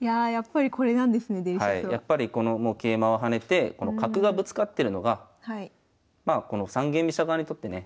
やっぱりこの桂馬を跳ねてこの角がぶつかってるのがまあこの三間飛車側にとってね